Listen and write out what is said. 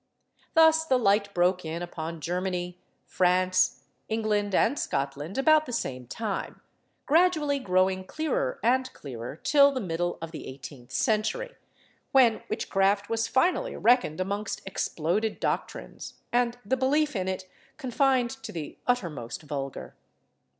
Thus the light broke in upon Germany, France, England, and Scotland about the same time, gradually growing clearer and clearer till the middle of the eighteenth century, when witchcraft was finally reckoned amongst exploded doctrines, and the belief in it confined to the uttermost vulgar.